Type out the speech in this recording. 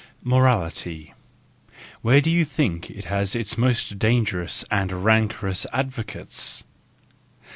—Morality—where do you think it has its most dangerous and rancorous advocates?